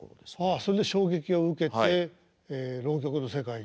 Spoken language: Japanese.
それで衝撃を受けて浪曲の世界に？